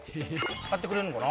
買ってくれるのかな？